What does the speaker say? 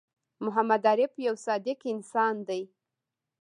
محمد عارف یوه صادق انسان دی